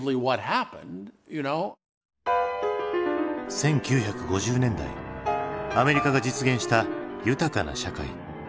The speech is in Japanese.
１９５０年代アメリカが実現した豊かな社会。